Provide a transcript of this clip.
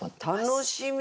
楽しみ！